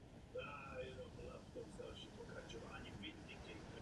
Je členem Klubu ligových brankářů.